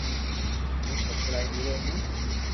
ھون ڪپڙا ھيڙيو ھون